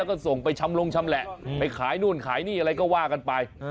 แล้วก็ส่งไปชำลงชำแหละไปขายนู่นขายนี่อะไรก็ว่ากันไป